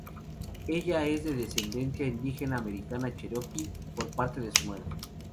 Ella es de descendencia indígena americana Cherokee por parte de su madre.